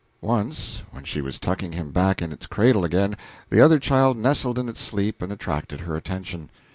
Once, when she was tucking it back in its cradle again, the other child nestled in its sleep and attracted her attention.